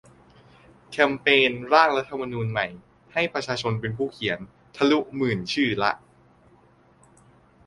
แคมเปญ "ร่างรัฐธรรมนูญใหม่ ให้ประชาชนเป็นผู้เขียน" ทะลุหมื่นชื่อละ